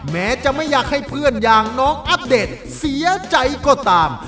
แม้จะไม่อยากให้เพื่อนอย่างน้องอัปเดตเสียใจก็ตาม